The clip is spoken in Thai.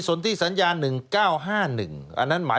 สวัสดีค่ะต้อนรับคุณบุษฎี